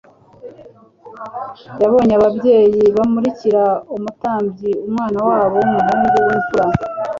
yabonye ababyeyi bamurikira umutambyi umwana wabo w'umuhungu w'imfura